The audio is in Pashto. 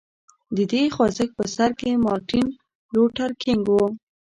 د دې خوځښت په سر کې مارټین لوټر کینګ و.